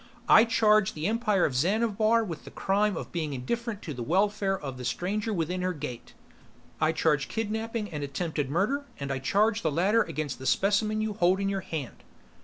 "I charge the Empire of Xanabar with the crime of being indifferent to the welfare of the stranger within her gate. I charge kidnaping and attempted murder, and I charge the latter against the specimen you hold in your hand."